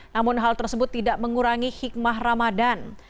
namun hal tersebut tidak mengurangi hikmah ramadan